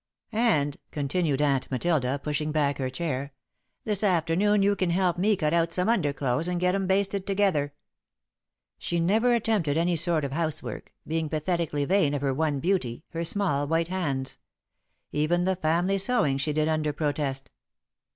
"And," continued Aunt Matilda, pushing back her chair, "this afternoon you can help me cut out some underclothes and get 'em basted together." She never attempted any sort of housework, being pathetically vain of her one beauty her small, white hands. Even the family sewing she did under protest.